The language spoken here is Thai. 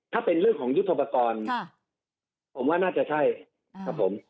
ถ้าเป็นเรื่องของยุทธปกรณ์ผมว่าน่าจะใช่ครับผม